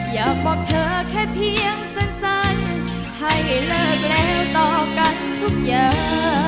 อยากบอกเธอแค่เพียงสั้นให้เลิกแล้วต่อกันทุกอย่าง